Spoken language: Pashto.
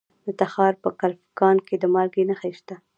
د تخار په کلفګان کې د مالګې نښې شته.